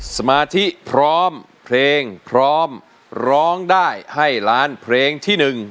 สมาธิพร้อมเพลงพร้อมร้องได้ให้ล้านเพลงที่๑